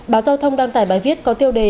báo giao thông đăng tải bài viết có tiêu đề